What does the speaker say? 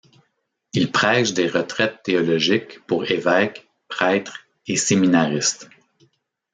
Il prêche des retraites théologiques pour évêques, prêtres et séminaristes.